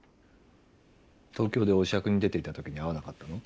東京でお酌に出ていた時に会わなかったの？